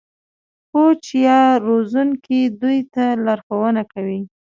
کوچ یا روزونکی دوی ته لارښوونه کوي.